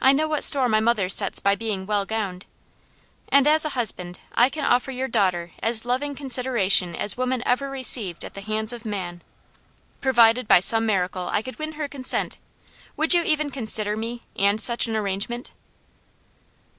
I know what store my mother sets by being well gowned. And as a husband, I can offer your daughter as loving consideration as woman ever received at the hands of man. Provided by some miracle I could win her consent, would you even consider me, and such an arrangement?"